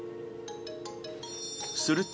すると